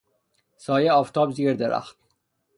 سایه آفتاب زیر درخت